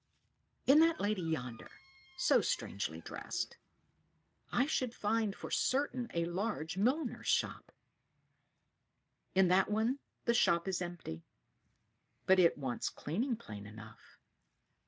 In that lady yonder, so strangely dressed, I should find for certain a large milliner's shop; in that one the shop is empty, but it wants cleaning plain enough.